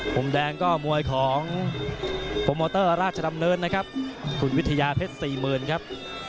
มุมแดงก็มวยของโปรโมเตอร์ราชดำเนินนะครับคุณวิทยาเพชรสี่หมื่นครับ